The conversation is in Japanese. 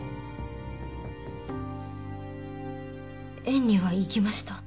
縁には行きました。